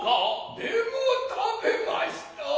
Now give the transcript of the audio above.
でも食べました。